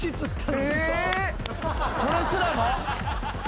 それすらも？